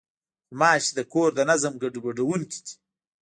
غوماشې د کور د نظم ګډوډوونکې دي.